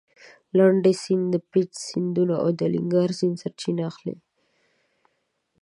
لنډی سیند د پېج سیند او د الینګار سیند سرچینه اخلي.